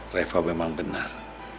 reva memang benar